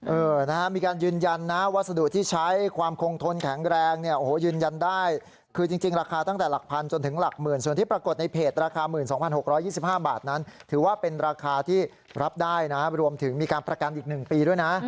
เออนะฮะมีการยืนยันนะวัสดุที่ใช้ความคงทนแข็งแรงเนี่ยโอ้โหยืนยันได้คือจริงราคาตั้งแต่หลักพันจนถึงหลักหมื่นส่วนที่ปรากฏในเพจราคา๑๒๖๒๕บาทนั้นถือว่าเป็นราคาที่รับได้นะรวมถึงมีการประกันอีก๑ปีด้วยนะ